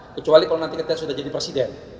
kecuali kalau nanti kita sudah jadi presiden